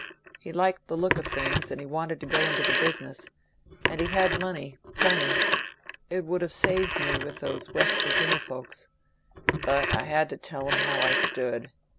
He liked the look of things, and he wanted to go into the business, and he had the money plenty; it would have saved me with those West Virginia folks. But I had to tell him how I stood.